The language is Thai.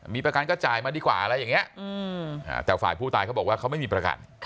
มีประกันก็จ่ายมาดีกว่าอะไรอย่างนี้แต่ฝ่ายผู้ตายเขาบอกว่าเขาไม่มีประกัน